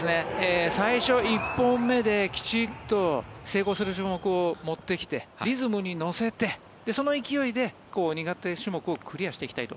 最初１本目できちんと成功する種目を持ってきてリズムに乗せてその勢いで苦手種目をクリアしていきたいと。